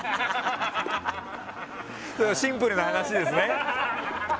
シンプルな話ですね。